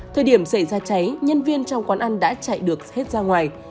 thời điểm xảy ra cháy nhân viên trong quán ăn đã chạy được hết ra ngoài